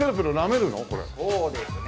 そうですね。